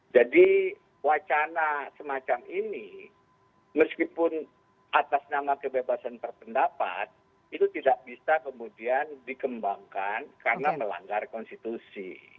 jadi wacana semacam ini meskipun atas nama kebebasan berpendapat itu tidak bisa kemudian dikembangkan karena melanggar konstitusi